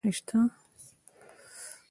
د ارزګان په دهراوود کې د فلورایټ نښې شته.